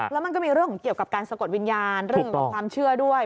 แล้วมันก็มีเรื่องของเกี่ยวกับการสะกดวิญญาณเรื่องของความเชื่อด้วย